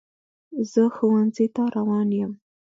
زه ښوونځي ته روان یم.